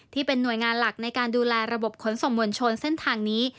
ที่เป็นหน่วยงานหลักในการดูแลระบบขนส่งมวลชนเส้นทางนี้